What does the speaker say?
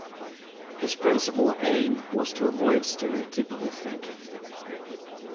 His principal aim was to avoid stereotypical thinking.